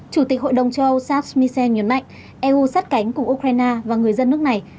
chủ tịch hội đồng châu âu sass misen nhấn mạnh eu sát cánh cùng ukraine và người dân nước này